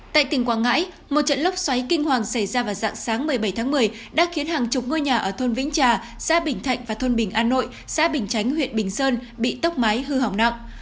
tại tỉnh quảng ngãi một trận lốc xoáy kinh hoàng xảy ra vào dạng sáng một mươi bảy tháng một mươi đã khiến hàng chục ngôi nhà ở thôn vĩnh trà xã bình thạnh và thôn bình an nội xã bình chánh huyện bình sơn bị tốc mái hư hỏng nặng